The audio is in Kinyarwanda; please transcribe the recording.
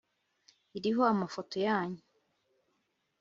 iriho amafoto yanyu